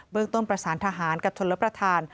เรื่องต้นประสานทหารกับชนรับประทาน